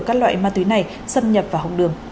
các loại ma túy này xâm nhập vào hồng đường